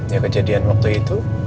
ya kejadian waktu itu